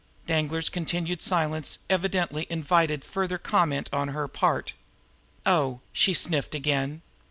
Danglar's continued silence evidently invited further comment on her part. "Oh!" she sniffed again.